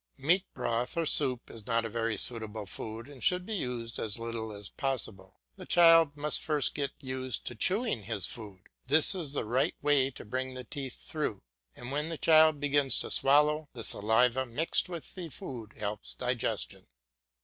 Meat broth or soup is not a very suitable food and should be used as little as possible. The child must first get used to chewing his food; this is the right way to bring the teeth through, and when the child begins to swallow, the saliva mixed with the food helps digestion.